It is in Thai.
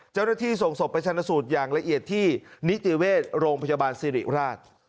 เจ้าหน้าที่ส่งศพไปชนะสูตรอย่างละเอียดที่นิติเวชโรงพยาบาลสิริราช